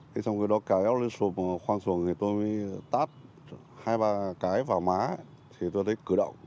thế xong cái đó kéo lên xuồng khoang xuồng thì tôi mới tát hai ba cái vào má thì tôi thấy cử động